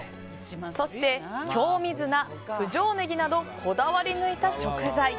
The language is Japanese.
そして、京水菜、九条ねぎなどこだわり抜いた食材。